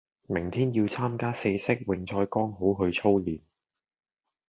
明天要參加四式泳賽剛好去操練